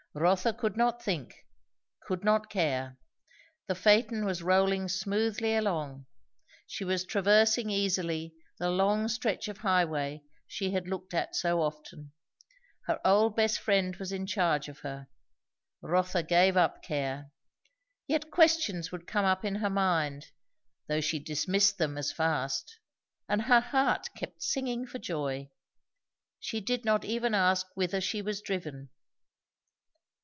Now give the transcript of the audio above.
Rotha could not think, could not care. The phaeton was rolling smoothly along; she was traversing easily the long stretch of highway she had looked at so often; her old best friend was in charge of her; Rotha gave up care. Yet questions would come up in her mind, though she dismissed them as fast; and her heart kept singing for joy. She did not even ask whither she was driven.